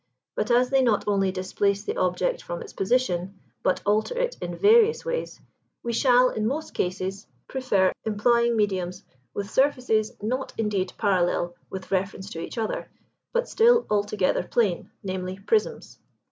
But as they not only displace the object from its position, but alter it in various ways, we shall, in most cases, prefer employing mediums with surfaces, not, indeed, parallel with reference to each other, but still altogether plane, namely, prisms.